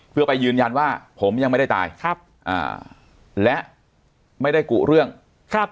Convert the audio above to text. เพื่อไปยืนยันว่าผมยังไม่ได้ตายครับอ่าและไม่ได้กุเรื่องครับ